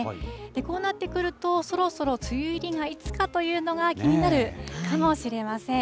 こうなってくると、そろそろ梅雨入りがいつかというのが気になるかもしれません。